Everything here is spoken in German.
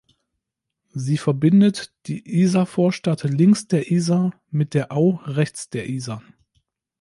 Sie verbindet die Isarvorstadt links der Isar mit der Au rechts der Isar.